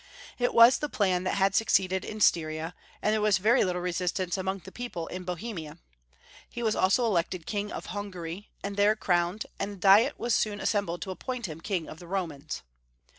It was the plan that had succeeded in Styria, and there was very little resistance among the people in Bohemia. He was also elected King of Hungary, and there crowned, and a diet was soon to be assembled to appoint him King of the Romans.